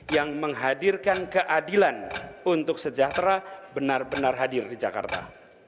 yang menghadirkan keadilan untuk sejahtera benar benar hadir di jakarta